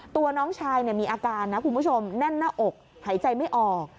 ตัวน้องชายมีอาการนะคุณผู้ชมแน่นหน้าอกหายใจไม่ออก